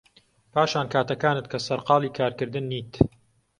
پاشان کاتەکانت کە سەرقاڵی کارکردن نیت